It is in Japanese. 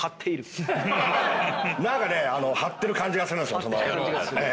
⁉何かね張ってる感じがするんすよ。